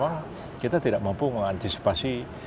atau bicara peralatan